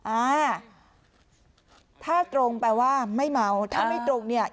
อ่าถ้าตรงแปลว่าไม่เมาถ้าไม่ตรงเนี่ย